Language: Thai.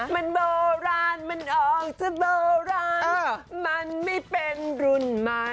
มันโบราณมันออกจากโบราณมันไม่เป็นรุ่นใหม่